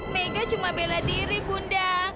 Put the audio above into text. mega cuma bela diri bunda